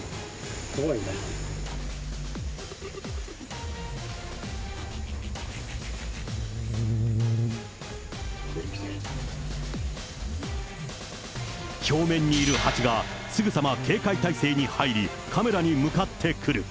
怖いな。来てる、表面にいるハチが、すぐさま警戒態勢に入り、カメラに向かってくる。